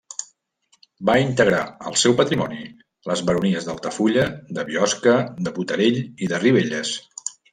Va integrar al seu patrimoni les baronies d'Altafulla, de Biosca, de Botarell i de Ribelles.